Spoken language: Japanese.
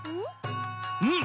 ん。